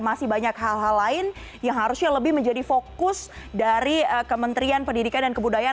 masih banyak hal hal lain yang harusnya lebih menjadi fokus dari kementerian pendidikan dan kebudayaan